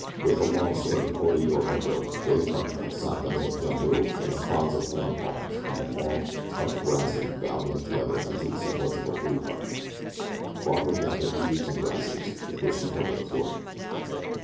With the long sword of Oda Yorimoto, Billy Byrne cut saplings and bamboo and the fronds of fan palms, and with long tough grasses bound them together into the semblance of a rude hut. Barbara gathered leaves and grasses with which she covered the floor.